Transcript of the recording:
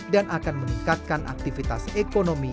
dan akan meningkatkan aktivitas ekonomi